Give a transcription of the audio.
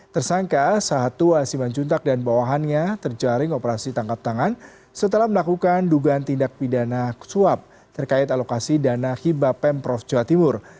tersangka sahat tua siman juntak dan bawahannya terjaring operasi tangkap tangan setelah melakukan dugaan tindak pidana suap terkait alokasi dana hibah pemerintah provinsi jawa timur